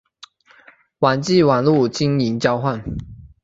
网际网路金钥交换。